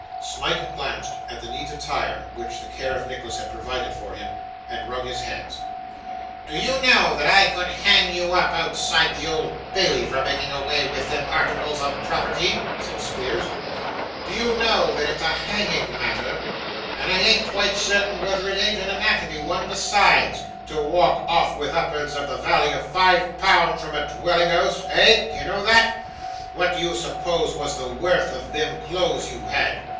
Smike glanced at the neat attire which the care of Nicholas had provided for him; and wrung his hands. 'Do you know that I could hang you up, outside of the Old Bailey, for making away with them articles of property?' said Squeers. 'Do you know that it's a hanging matter and I an't quite certain whether it an't an anatomy one besides to walk off with up'ards of the valley of five pound from a dwelling house? Eh? Do you know that? What do you suppose was the worth of them clothes you had?